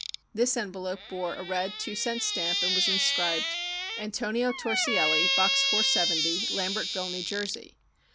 This envelope bore a red two cent stamp and was inscribed: ANTONIO TORSIELLI, BOX 470, Lambertville, New Jersey.